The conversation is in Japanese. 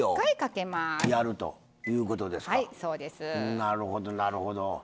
なるほどなるほど。